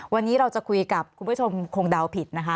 วันนี้เราจะคุยกับคุณผู้ชมคงเดาผิดนะคะ